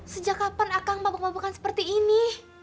sejak kapan akang mabuk mabukan seperti ini